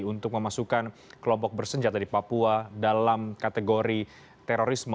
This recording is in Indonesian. untuk memasukkan kelompok bersenjata di papua dalam kategori terorisme